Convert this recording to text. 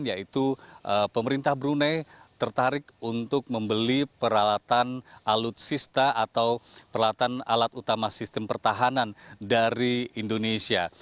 yaitu pemerintah brunei tertarik untuk membeli peralatan alutsista atau peralatan alat utama sistem pertahanan dari indonesia